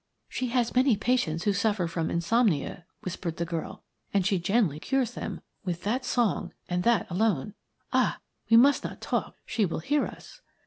"She has many patients who suffer from insomnia," whispered the girl, "and she generally cures them with that song, and that alone. Ah! we must not talk; she will hear us."